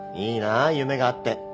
いいな夢があって。